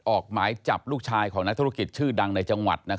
ออกหมายจับลูกชายของนักธุรกิจชื่อดังในจังหวัด